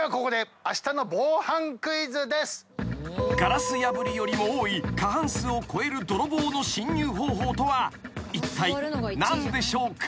［ガラス破りよりも多い過半数を超える泥棒の侵入方法とはいったい何でしょうか？］